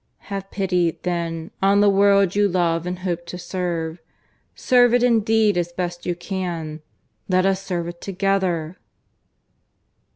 Have pity, then, on the world you love and hope to serve. Serve it indeed as best you can. Let us serve it together!"